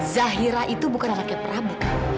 zairah itu bukan anaknya prabu kak